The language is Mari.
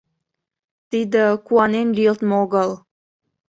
Тиде куанен лӱйылтмӧ огыл.